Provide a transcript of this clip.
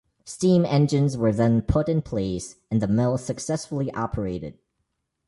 Steam engines were then put in place, and the mill successfully operated.